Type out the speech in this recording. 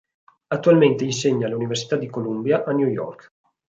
Attualmente insegna all'università di Columbia a New York.